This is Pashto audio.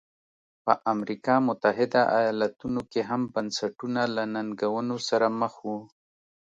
په امریکا متحده ایالتونو کې هم بنسټونه له ننګونو سره مخ وو.